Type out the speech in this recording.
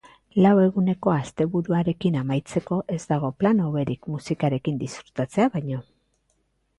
Lau eguneko asteburuarekin amaitzeko, ez dago plan hoberik musikarekin disfrutatzea baino.